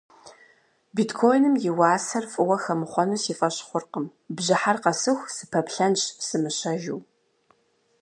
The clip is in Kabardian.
Биткоиным и уасэр фӏыуэ хэмыхъуэну си фӏэщ хъуркъым, бжьыхьэр къэсыху сыпэплъэнщ сымыщэжыу.